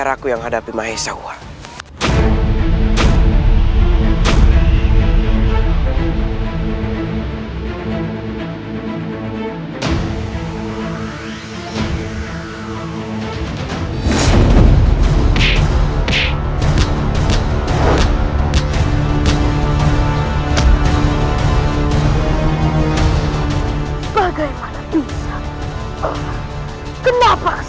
aku berjanji mahesan